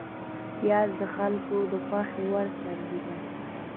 پیاز د خلکو د خوښې وړ سبزی ده